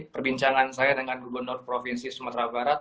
perbincangan saya dengan gubernur provinsi sumatera barat